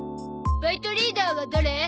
バイトリーダーは誰？